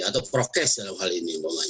atau prokes dalam hal ini